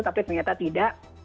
tapi ternyata tidak